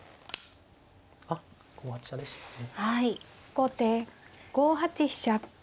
後手５八飛車。